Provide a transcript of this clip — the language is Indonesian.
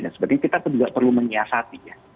dan sebagainya kita juga perlu menyiasati ya